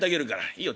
「いいよ